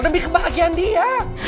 lebih kebahagiaan dia